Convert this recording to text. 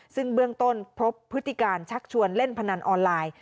ซึ่งเบื้องต้นพบพฤติการชักชวนเล่นพนันออนไลน์